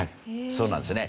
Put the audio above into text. そうなんですね。